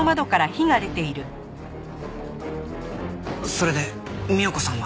それで三代子さんは？